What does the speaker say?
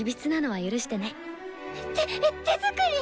てっ手作り！？